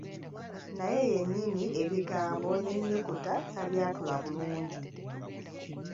Naye yennyini ebigambo n’ennukuta tabyatula bulungi.